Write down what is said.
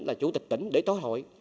là chủ tịch tỉnh để tối hội